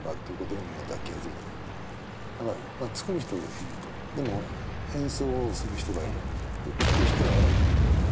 だから作る人がいるとでも演奏をする人がいる聴く人がいる。